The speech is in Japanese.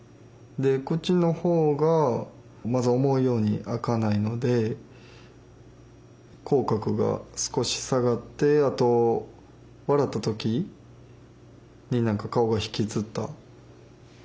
口のほうがまず思うように開かないので口角が少し下がってあと笑ったときに何か顔が引きつった状態になりますね。